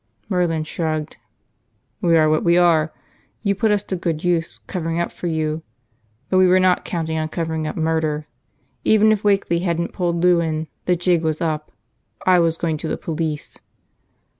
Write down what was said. Merlin shrugged. "We are what we are. You put us to good use, covering up for you. But we were not counting on covering up murder. Even if Wakeley hadn't pulled Lou in, the jig was up. I was going to the police."